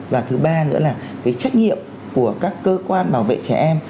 và thứ ba nữa là cái trách nhiệm của các cơ quan bảo vệ trẻ em